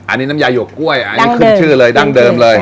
อันนี้น้ำยาหยกกล้วยอันนี้ขึ้นชื่อเลยดั้งเดิมเลย